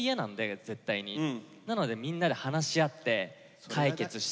なのでみんなで話し合って解決したりとか。